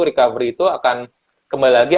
recovery itu akan kembali lagi